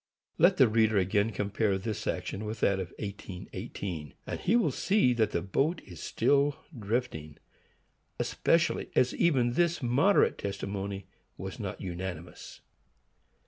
Let the reader again compare this action with that of 1818, and he will see that the boat is still drifting,—especially as even this moderate testimony was not unanimous.